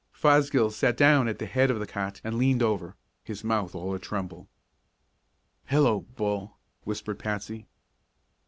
Fosgill sat down at the head of the cot and leaned over, his mouth all atremble. "Hello, Bull!" whispered Patsy.